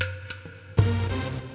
sel kok lo ngambek sih